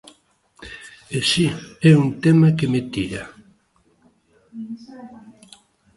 E si é un tema que me tira.